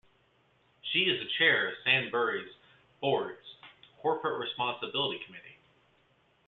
She is the Chair of Sainsbury's board's Corporate Responsibility Committee.